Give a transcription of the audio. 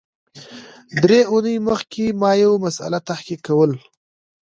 درې اونۍ مخکي ما یو مسأله تحقیق کول